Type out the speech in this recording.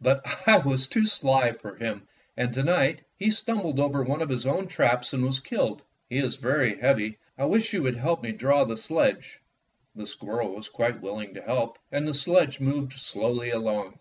But I was too sly for him, and to night he stumbled over one of his own traps and was killed. He is very heavy. I wish you would help me draw the sledge." The squirrel was quite willing to help, and the sledge moved slowly along.